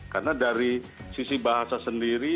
karena dari sisi bahasa sendiri